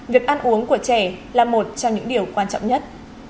việc ăn uống của trẻ là một trong những điều quan trọng nhất